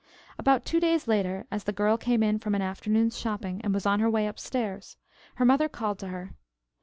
About two days later, as the girl came in from an afternoon's shopping, and was on her way upstairs, her mother called to her.